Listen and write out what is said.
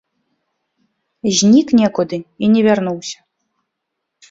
Знік некуды і не вярнуўся.